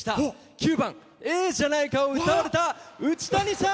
９番「ええじゃないか」を歌われたうちたにさん。